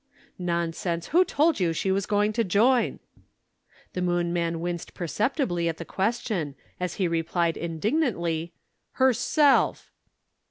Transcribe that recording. "Nonsense! who told you she was going to join?" The Moon man winced perceptibly at the question, as he replied indignantly: "Herself!"